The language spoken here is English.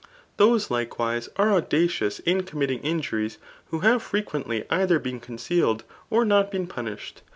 Those, likewise, [are audacioife in com mitting injuries,^ who have frequently eitho been con cealedt or not been punidied.